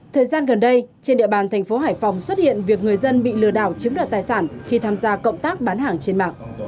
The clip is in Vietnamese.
thời gian gần đây trên địa bàn thành phố hải phòng xuất hiện việc người dân bị lừa đảo chiếm đoạt tài sản khi tham gia cộng tác bán hàng trên mạng